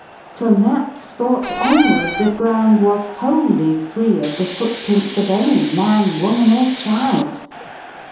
From that spot onward the ground was wholly free of the footprints of any man, woman, or child.